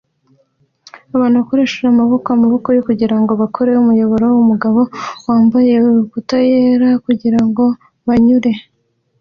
Abantu bakoresha amaboko n'amaboko kugirango bakore umuyoboro wumugabo wambaye ikabutura yera kugirango banyure